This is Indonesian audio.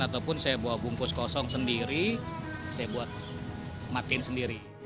ataupun saya bawa bungkus kosong sendiri saya buat matiin sendiri